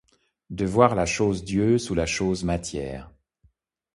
De voir la chose-Dieu sous la chose Matière ?